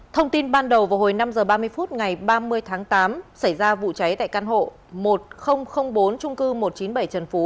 thông tin ban đầu vào hồi năm h ba mươi phút ngày ba mươi tháng tám xảy ra vụ cháy tại căn hộ một nghìn bốn trung cư một trăm chín mươi bảy trần phú